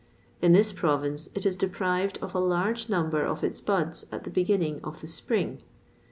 In this province it is deprived of a large number of its buds at the beginning of the spring.